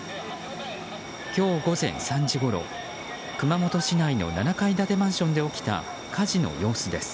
今日午前３時ごろ、熊本市内の７階建てマンションで起きた火事の様子です。